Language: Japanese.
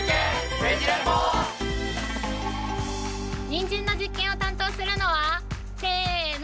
ニンジンの実験を担当するのはせの！